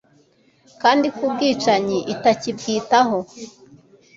kandi ko ubwicanyi itakibwitaho